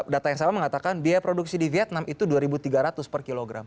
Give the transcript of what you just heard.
data yang sama mengatakan biaya produksi di vietnam itu rp dua tiga ratus per kilogram